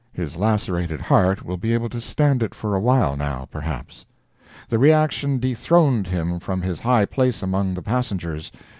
His lacerated heart will be able to stand it for awhile, now, perhaps. The reaction dethroned him from his high place among the passengers.